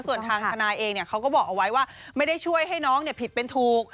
ส่วนทางทนายเองเขาก็บอกเอาไว้ว่าไม่ได้ช่วยให้น้องผิดเป็นถูก